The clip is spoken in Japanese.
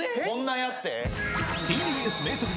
こんなやって？